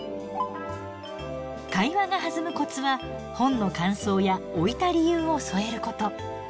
会話が弾むコツは本の感想や置いた理由を添えること。